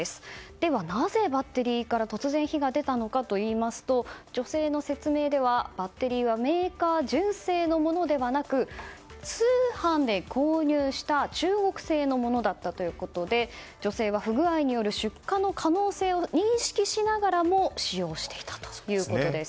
ではなぜバッテリーから突然、火が出たのかといいますと女性の説明では、バッテリーはメーカー純正のものではなく通販で購入した中国製のものだったということで女性は不具合による出火の可能性を認識しながらも使用していたということです。